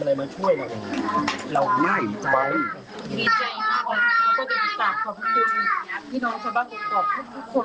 อะไรมาช่วยเราง่ายมีใจขอบคุณพี่น้องชะบัดตอบทุกทุกคน